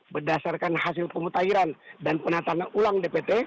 berdasarkan hasil pemutahiran dan penataan ulang dpt